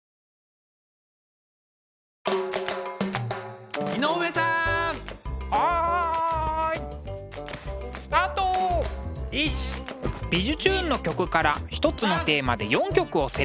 「びじゅチューン！」の曲から一つのテーマで４曲をセレクト。